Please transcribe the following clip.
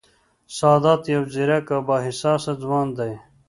سادات یو ځېرک او با احساسه ځوان دی